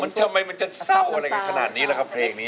มันทำไมมันจะเศร้าอะไรขนาดนี้ล่ะค่ะเพลงนี้